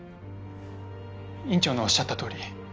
院長のおっしゃったとおり